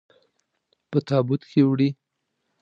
په تابوت کې وړئ.